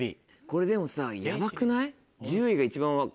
これでもさヤバくない？